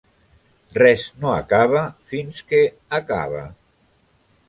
Res no acaba fins que acaba.